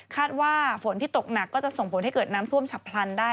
ว่าฝนที่ตกหนักก็จะส่งผลให้เกิดน้ำท่วมฉับพลันได้